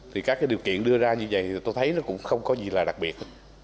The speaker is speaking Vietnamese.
thì các điều kiện đưa ra như vậy tôi thấy cũng không có gì là đặc biệt